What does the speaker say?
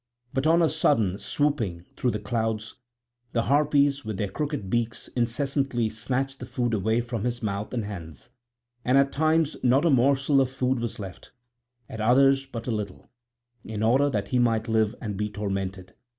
But on a sudden, swooping through the clouds, the Harpies with their crooked beaks incessantly snatched the food away from his mouth and hands. And at times not a morsel of food was left, at others but a little, in order that he might live and be tormented.